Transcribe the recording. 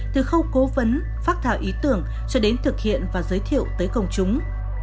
từ khâu cố vấn phát thảo ý tưởng cho đến thực hiện và giới thiệu tới công chúng